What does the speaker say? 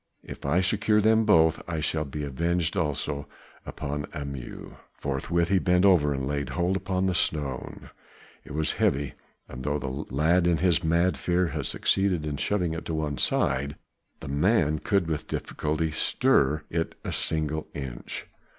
If I secure them both, I shall be avenged also upon Amu." Forthwith he bent over and laid hold upon the stone. It was heavy, and though the lad in his mad fear had succeeded in shoving it to one side, the man could with difficulty stir it a single inch.